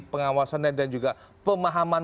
pengawasan dan juga pemahaman